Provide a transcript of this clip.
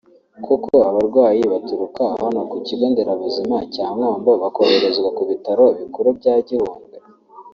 Koko abarwayi baturuka hano ku Kigo nderabuzima cya Nkombo bakoherezwa kubitaro bikuru bya Gihundwe